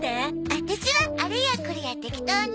ワタシはあれやこれや適当に。